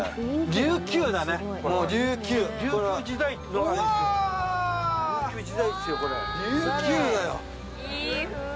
琉球だよ。